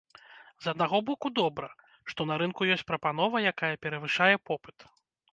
З аднаго боку, добра, што на рынку ёсць прапанова, якая перавышае попыт.